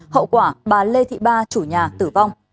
hậu quả bà lê thị ba chủ nhà tử vong